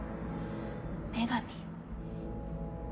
女神？